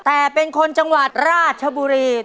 แต่เป็นคนจังหวัดราชบุรี